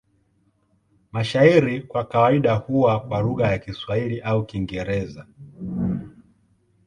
Mashairi kwa kawaida huwa kwa lugha ya Kiswahili au Kiingereza.